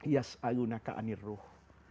yas'alu naka anir ruh